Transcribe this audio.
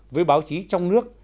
với báo chí trong nước